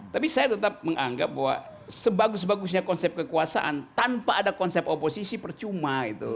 tapi saya tetap menganggap bahwa sebagus bagusnya konsep kekuasaan tanpa ada konsep oposisi percuma itu